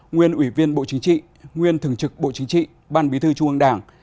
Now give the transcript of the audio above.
nguyên ủy viên bộ chính trị nguyên thường trực bộ chính trị ban bí thư trung ương đảng